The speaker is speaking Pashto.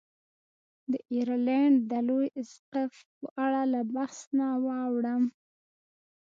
د ایرلنډ د لوی اسقف په اړه له بحث نه واوړم.